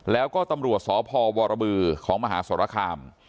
แล้วก็ตำรวจสพบรบือของมหาสรคาม